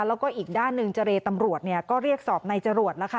แล้วก็อีกด้านหนึ่งเจรตำรวจเนี่ยก็เรียกสอบในจรวดแล้วค่ะ